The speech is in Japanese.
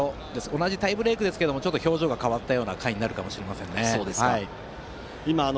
同じタイブレークですが少し表情が変わったような回になるかもしれませんね。